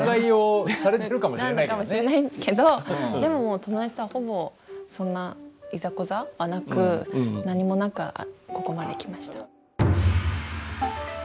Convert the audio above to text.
なのかもしれないけどでも友達とはほぼそんなイザコザもなく何もなくここまで来ました。